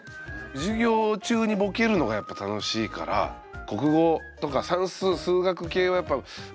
授業中にボケるのがやっぱ楽しいから国語とか算数数学系はやっぱボケやすいんすよね